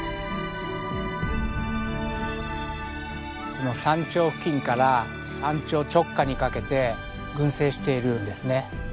この山頂付近から山頂直下にかけて群生しているんですね。